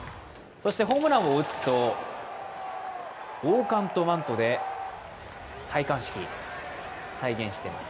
そしてホームランを打つと、王冠とマントで戴冠式、再現しています。